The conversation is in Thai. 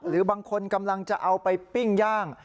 หรือบางคนกำลังจะเอาไปปิ้งย่าง